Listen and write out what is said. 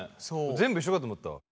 全部一緒かと思ったわ。